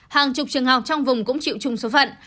hàng chục trường học trong vùng cũng chịu chung số phận